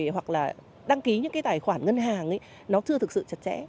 hoặc là đăng ký những cái tài khoản ngân hàng ấy nó chưa thực sự chặt chẽ